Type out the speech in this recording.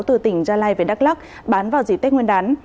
từ tỉnh gia lai về đắk lắc bán vào dịp tết nguyên đán